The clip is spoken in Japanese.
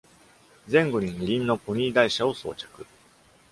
前後に二輪のポニー台車を装着。